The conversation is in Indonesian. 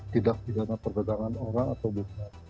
tindak pidana perdagangan orang atau bukan